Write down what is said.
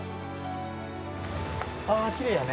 あー、きれいやね。